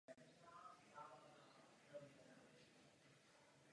Proto navrhuji, abychom o tomto bodu začali diskutovat.